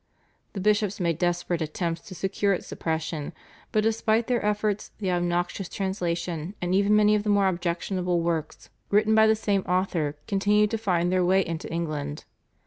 The bishops made desperate attempts to secure its suppression, but despite their efforts the obnoxious translation and even many of the more objectionable works written by the same author continued to find their way into England.